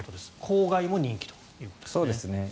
郊外も人気ということですね。